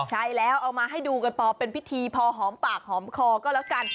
ใช่แล้วเอามาให้ดูกันพอเป็นพิธีพอหอมปากหอมคอก็แล้วกัน